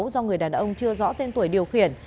do người đàn ông chưa rõ tên tuổi điều khiển